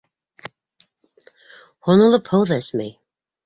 Һонолоп һыу ҙа эсмәй.